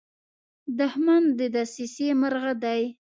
دښمن د دسیسې مرغه دی